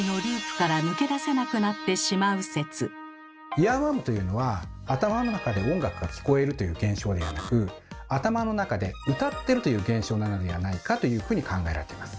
イヤーワームというのは頭の中で「音楽が聞こえる」という現象ではなく頭の中で「歌っている」という現象なのではないかというふうに考えられています。